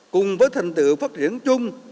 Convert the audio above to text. cùng với thành tựu phát triển chung